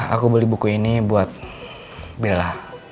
aku beli buku ini buat bella